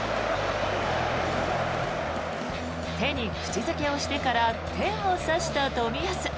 手に口付けをしてから天を指した冨安。